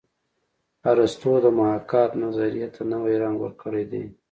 ارستو د محاکات نظریې ته نوی رنګ ورکړی دی